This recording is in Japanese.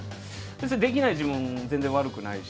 できない自分も全然悪くないし